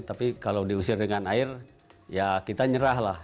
tapi kalau diusir dengan air ya kita nyerah lah